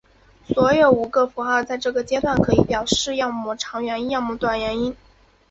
所有五个符号在这个阶段可以表示要么长元音要么短元音。